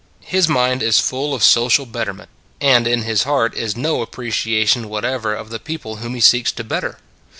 His mind is full of social betterment: and in his heart is no appreciation what ever of the people whom he seeks to better.